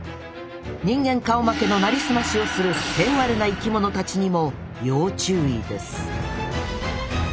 人間顔負けのなりすましをする「へんワル」な生きものたちにも要注意です